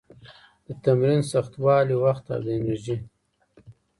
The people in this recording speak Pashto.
د تمرین سختوالي، وخت او د انرژي